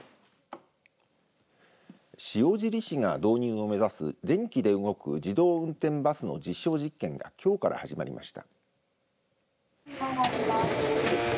塩尻市が導入を目指す電機で動く自動運転バスの実証実験がきょうから始まりました。